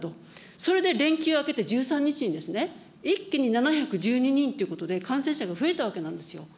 それで連休明けて１３日に、一気に７１２人ってことで感染者が増えたわけなんですよ。